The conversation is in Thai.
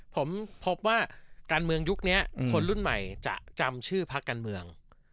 ผมพบว่าการเมืองยุคนี้คนรุ่นใหม่จะจำชื่อพักการเมือง